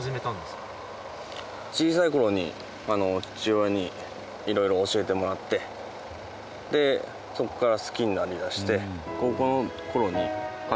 小さい頃に父親に色々教えてもらってでそこから好きになりだして。